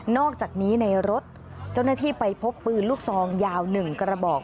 อกจากนี้ในรถเจ้าหน้าที่ไปพบปืนลูกซองยาว๑กระบอก